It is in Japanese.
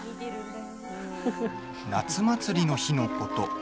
夏祭りの日のこと。